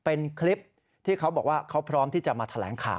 เป็นคลิปที่เขาบอกว่าเขาพร้อมที่จะมาแถลงข่าว